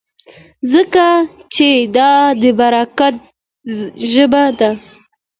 ځکه چې دا د برکت ژبه ده.